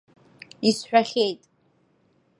Исҳәахьеит.